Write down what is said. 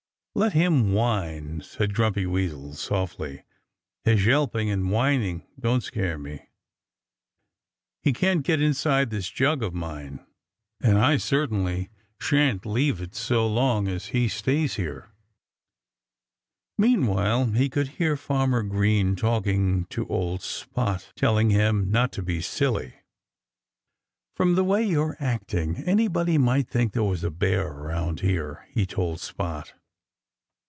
"Let him whine!" said Grumpy Weasel softly. "His yelping and whining don't scare me. He can't get inside this jug of mine. And I certainly shan't leave it so long as he stays here." Meanwhile he could hear Farmer Green talking to old Spot, telling him not to be silly. "From the way you're acting anybody might think there was a bear around here," he told Spot.